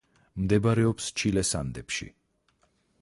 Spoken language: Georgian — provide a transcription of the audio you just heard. მდებარეობს ჩილეს ანდებში.